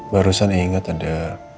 barusan inget ada